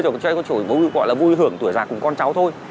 chứ không có chiều gọi là vui hưởng tuổi già cùng con cháu thôi